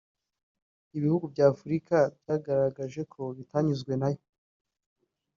ibihugu bya Afurika byagaragaje ko bitanyuzwe na yo